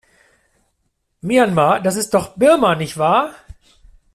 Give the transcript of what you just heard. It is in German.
Myanmar, das ist doch Birma, nicht wahr?